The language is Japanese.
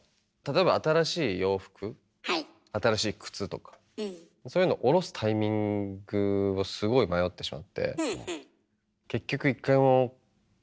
例えば新しい洋服新しい靴とかそういうのを下ろすタイミングをすごい迷ってしまってえ！